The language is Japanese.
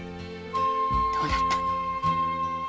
どうなったの？